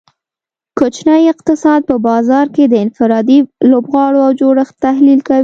کوچنی اقتصاد په بازار کې د انفرادي لوبغاړو او جوړښت تحلیل کوي